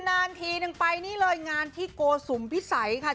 นานทีนึงไปนี่เลยงานที่โกสุมพิสัยค่ะ